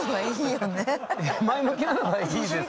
前向きなのはいいよね。